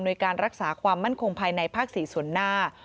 โดยการรักษาความมั่นคงภายในภาค๔ส่วนหน้า